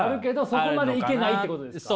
そこまでいけないってことですか？